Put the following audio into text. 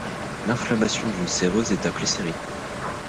L'inflammation d'une séreuse est appelée sérite.